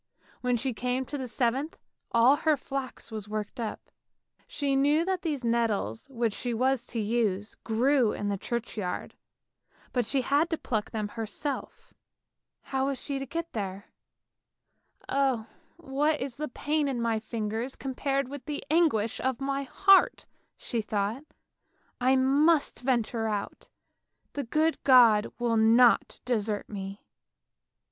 When she came to the seventh, all her flax was worked up; she knew that these nettles which she was to use grew in the churchyard, but she had to pluck them herself. How was she to get there? " Oh, what is the pain of my fingers compared with the anguish of my heart," she thought. " I must venture out, the good God will not desert me!